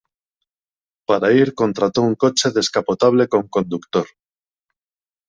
Para ir contrató un coche descapotable con conductor.